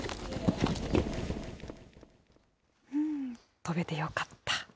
飛べてよかった。